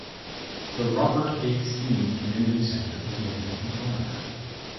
The Robert A. Steen Community Centre is named in his honour.